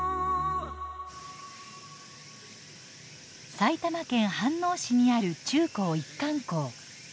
埼玉県飯能市にある中高一貫校。